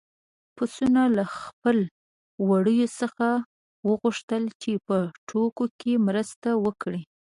پسونو له خپل وري څخه وغوښتل چې په ټوکو کې مرسته وکړي.